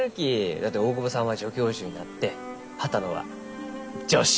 だって大窪さんは助教授になって波多野は助手！